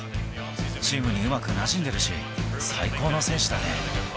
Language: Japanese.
チームにうまくなじんでるし、最高の選手だね。